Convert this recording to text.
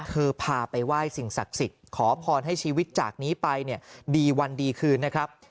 พาไปไหว้สิ่งศักดิ์สิทธิ์ขอพรให้ชีวิตจากนี้ไปเนี่ยดีวันดีคืนนะครับ